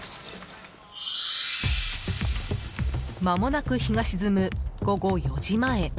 まもなく日が沈む午後４時前。